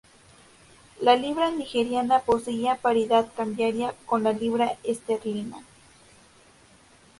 La libra nigeriana poseía paridad cambiaria con la libra esterlina.